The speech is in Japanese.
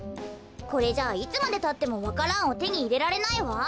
これじゃいつまでたってもわか蘭をてにいれられないわ。